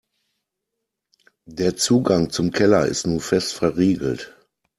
Der Zugang zum Keller ist nun fest verriegelt.